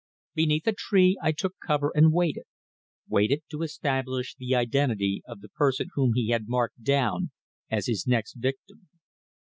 Beneath a tree I took cover and waited waited to establish the identity of the person whom he had marked down as his next victim.